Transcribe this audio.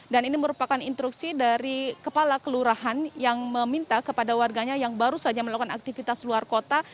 dan ini merupakan instruksi dari kepala kelurahan yang meminta kepada warganya yang baru saja melakukan aktivitas luar kota